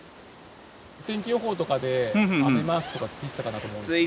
天気予報とかで、雨マークとかついてたかなと思うんですけど。